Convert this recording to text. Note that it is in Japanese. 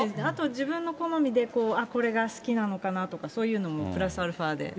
あと、自分の好みで、あっ、これが好きなのかなとか、そういうのもプラスアルファーで。